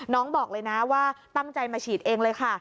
บอกเลยนะว่าตั้งใจมาฉีดเองเลยค่ะ